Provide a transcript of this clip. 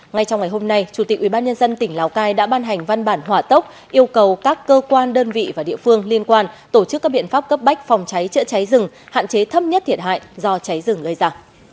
ngay trong ngày hôm nay chủ tịch ubnd tỉnh lào cai đã ban hành văn bản hỏa tốc yêu cầu các cơ quan đơn vị và địa phương liên quan tổ chức các biện pháp cấp bách phòng cháy chữa cháy rừng hạn chế thấp nhất thiệt hại do cháy rừng gây ra